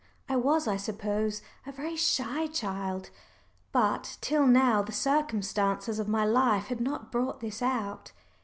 I was, I suppose, a very shy child, but till now the circumstances of my life had not brought this out.